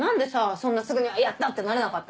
そんなすぐにはやったーってなれなかったの？